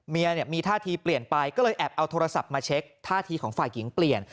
เมียมีท่าทีเปลี่ยนไปก็เลยแอบเอาโทรศัพท์มาเช็คท่าทีของฝ่ายหญิงเปลี่ยน